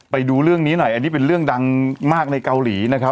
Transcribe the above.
ไปดูเรื่องนี้หน่อยอันนี้เป็นเรื่องดังมากในเกาหลีนะครับ